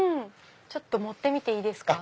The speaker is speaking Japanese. ちょっと持ってみていいですか？